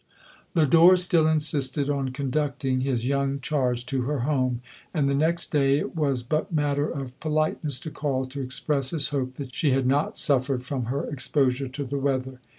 Lodore still insisted on conducting his young charge to her home ; and the next day it was but matter of politeness to call to express his hope that she had not suffered from her expo sure to the weather.